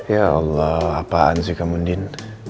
ya allah apaan sih kamu din